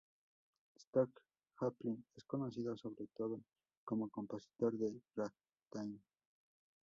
Scott Joplin es conocido sobre todo como compositor de ragtime.